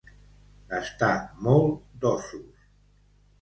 Estar molt d'ossos.